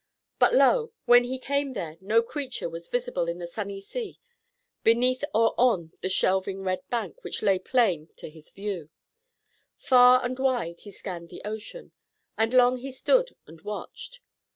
But, lo! when he came there no creature was visible in the sunny sea beneath or on the shelving red bank which lay all plain to his view. Far and wide he scanned the ocean, and long he stood and watched.